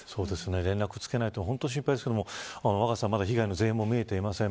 連絡がつかないと本当に心配ですが若狭さん被害の全容も見えていません